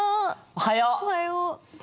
おはよう。